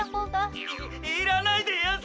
いいらないでやんす。